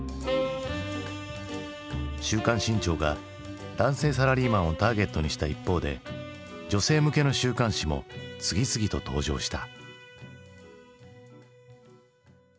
「週刊新潮」が男性サラリーマンをターゲットにした一方で女性向けの週刊誌も次々と登場した。